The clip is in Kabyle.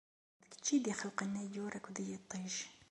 D kečč i d-ixelqen ayyur akked yiṭij.